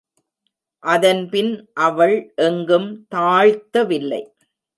அதன் பின் அவள் எங்கும் தாழ்த்தவில்லை.